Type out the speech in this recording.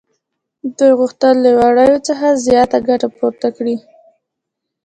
دوی غوښتل له وړیو څخه زیاته ګټه پورته کړي